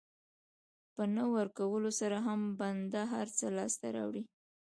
په نه ورکولو سره هم بنده هر څه لاسته راوړي.